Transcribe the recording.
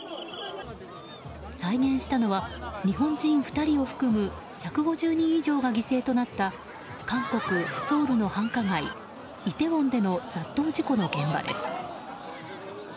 再現したのは、日本人２人を含む１５０人以上が犠牲となった韓国ソウルの繁華街イテウォンでの雑踏事故の現場です。